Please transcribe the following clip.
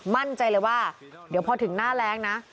มั่นใจเลยว่าเดี๋ยวพอถึงหน้าแรงนะ